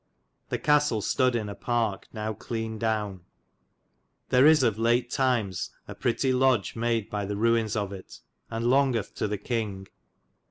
The castell stoode in a parke now clene downe. There is of late tymes a pratie lodge made by the ruines of it, and longgithe to the kyng.